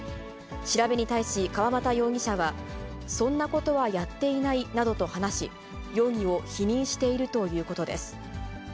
調べに対し川又容疑者は、そんなことはやっていないなどと話し、容疑を否認しているということです。